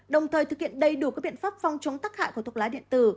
đồng thời thực hiện đầy đủ các biện pháp phong chống tắc hại của thuốc lá điện tử